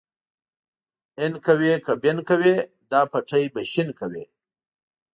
اين کوې که بېن کوې دا پټی به شين کوې.